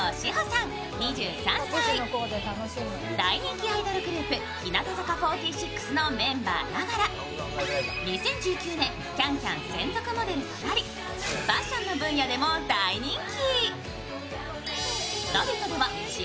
大人気アイドルグループ日向坂４６のメンバーながら２０１９年「ＣａｎＣａｍ」専属モデルとなりファッションの分野でも大人気。